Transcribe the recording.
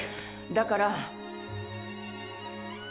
だから。